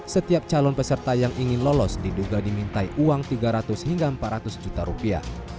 setiap calon peserta yang ingin lolos diduga dimintai uang tiga ratus hingga empat ratus juta rupiah